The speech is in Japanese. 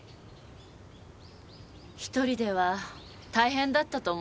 １人では大変だったと思います。